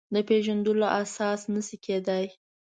د پېژندلو اساس نه شي کېدای.